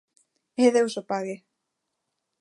E Deus o pague.